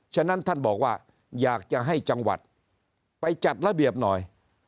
ฉะนั้นท่านบอกว่าอยากจะให้จังหวัดไปจัดระเบียบหน่อย